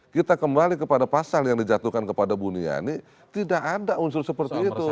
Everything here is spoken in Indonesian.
kita kembali kepada pasal yang dijatuhkan kepada buniani tidak ada unsur seperti itu